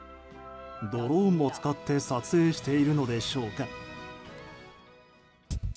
ドローンを使って撮影しているのでしょうか。